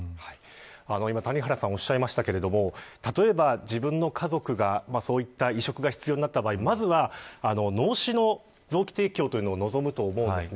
今、谷原さんがおっしゃいましたが例えば、自分の家族がそういった移植が必要になった場合まずは脳死の臓器提供を望むと思うんです。